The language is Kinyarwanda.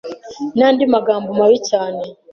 n’andi magambo mabi cyane